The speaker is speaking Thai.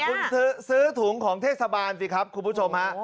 คุณซื้อถุงของเทศบาลสิครับคุณผู้ชมฮะ